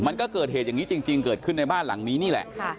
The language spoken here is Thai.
มันก็เกิดเหตุอย่างนี้จริงเกิดขึ้นในบ้านหลังนี้นี่แหละ